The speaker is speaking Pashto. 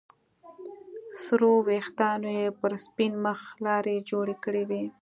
سرو ويښتانو يې پر سپين مخ لارې جوړې کړې وې.